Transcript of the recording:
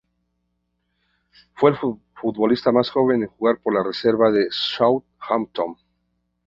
Fue el futbolista más joven en jugar por la reserva del Southampton.